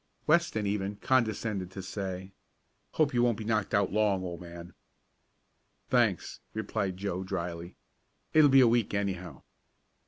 Weston even condescended to say: "Hope you won't be knocked out long, old man." "Thanks," replied Joe dryly. "It'll be a week anyhow."